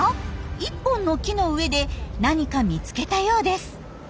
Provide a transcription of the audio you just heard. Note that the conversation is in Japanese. １本の木の上で何か見つけたようです。